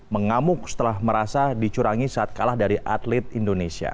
mengamuk setelah merasa dicurangi saat kalah dari atlet indonesia